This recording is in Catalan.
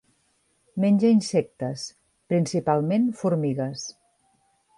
Menja insectes, principalment formigues.